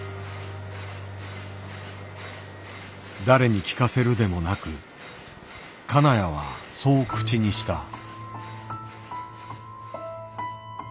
誰に聞かせるでもなく金谷はそう口にした。